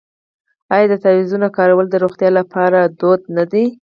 آیا د تعویذونو کارول د روغتیا لپاره دود نه دی؟